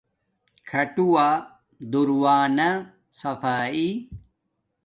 کھاٹووہ دوݵ نا صفایݵ